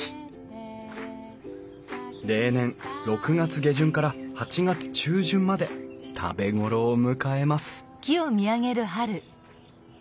例年６月下旬から８月中旬まで食べ頃を迎えます